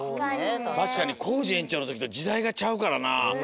たしかにコージ園長のときとじだいがちゃうからな。